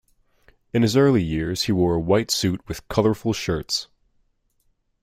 In his early years he wore a white suit with colourful shirts.